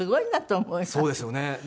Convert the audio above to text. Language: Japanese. そうですよね。